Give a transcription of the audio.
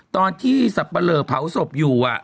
ตอนที่สับปะเลอเผาศพอยู่